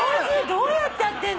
どうやってやってんの？